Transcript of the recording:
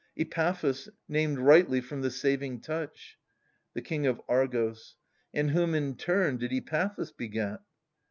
Epaphus, named rightly from the saving touch. The King of Argos. And whom in turn did Epaphus beget